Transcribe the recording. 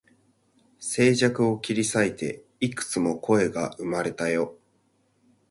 静寂を切り裂いて、幾つも声が生まれたよ